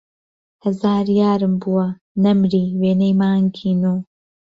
ههزار یارم بووه، نهمری، وێنهی مانگی نۆ